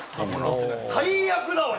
最悪だわ！